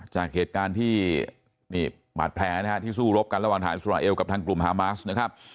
จากเหตุการณ์ที่นี่บาดแผลนะฮะที่สู้รบกันระหว่างฐานอิสราเอลกับทางกลุ่มฮามาสนะครับ